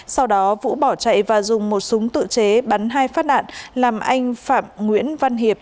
sau đó vũ bỏ chạy và dùng một súng tự chế bắn hai phát đạn làm anh phạm nguyễn văn hiệp